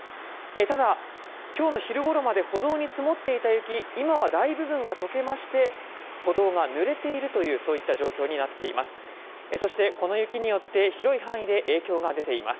ただ、今日の昼ごろまで歩道に積もっていた雪、今は大部分が解けまして、歩道がぬれている状況になっています。